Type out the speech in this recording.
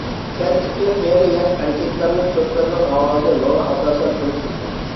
كەنتتىكى قېرى-ياش ئەركەكلەرنىڭ كۆپلىرىنىڭ ئاۋازى ماڭا ئاساسەن تونۇش ئىدى.